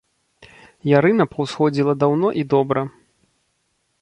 Ярына паўсходзіла даўно і добра.